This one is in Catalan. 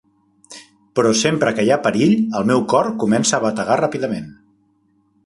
Però sempre que hi ha perill, el meu cor comença a bategar ràpidament.